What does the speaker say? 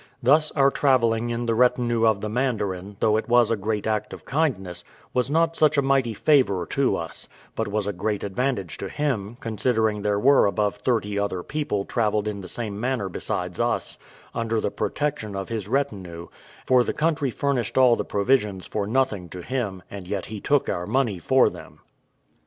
Thus our travelling in the retinue of the mandarin, though it was a great act of kindness, was not such a mighty favour to us, but was a great advantage to him, considering there were above thirty other people travelled in the same manner besides us, under the protection of his retinue; for the country furnished all the provisions for nothing to him, and yet he took our money for them.